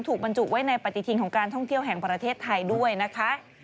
บรรจุไว้ในปฏิทินของการท่องเที่ยวแห่งประเทศไทยด้วยนะคะ